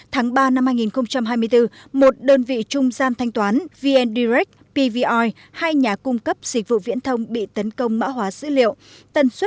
tháng ba năm hai nghìn hai mươi bốn một đơn vị trung gian thanh toán vn direct pvr hai nhà cung cấp dịch vụ viễn thông bị tấn công mã hóa dữ liệu